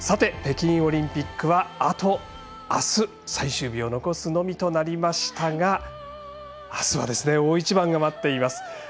北京オリンピックは、あとあす、最終日を残すのみとなりましたがあすは、大一番が待っています。